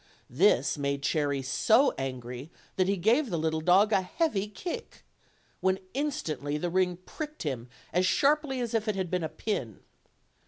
This made Cherry so angry that he gave the little dog a heavy kick, when instantly the ring pricked him as sharply as if it had been a pin.